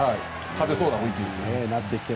勝てそうな雰囲気ですよね。